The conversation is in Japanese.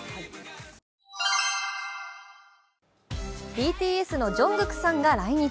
ＢＴＳのＪＵＮＧＫＯＯＫさんが来日。